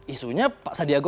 isunya pak sadiago